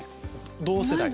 同世代？